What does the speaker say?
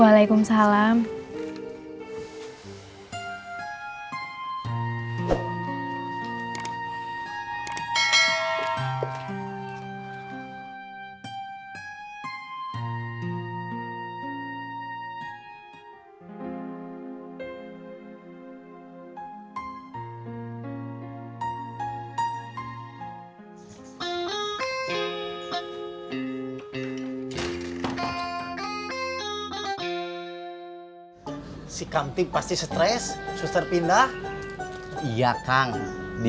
hai hai hai hai hai hai hai hai hai hai hai hai si cantik pasti stres susur pindah iya kang di